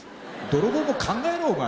泥棒も考えろお前